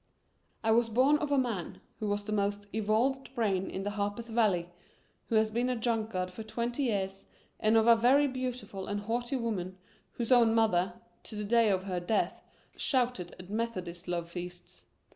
I was born of a man who has the most evolved brain in the Harpeth Valley, who has been a drunkard for twenty years, and of a very beautiful and haughty woman whose own mother, to the day of her death, shouted at Methodist love feasts.